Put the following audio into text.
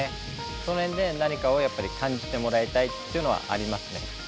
その辺で何かを感じてもらいたいというのはありますね。